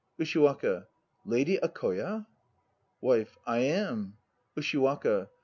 USHIWAKA. Lady Akoya? WIFE. I am. USHIWAKA.